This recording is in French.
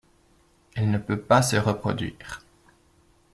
Elle ne peut pas se reproduire.